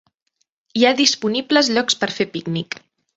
Hi ha disponibles llocs per fer pícnic.